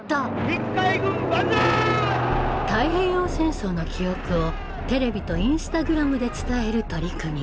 太平洋戦争の記憶をテレビとインスタグラムで伝える取り組み。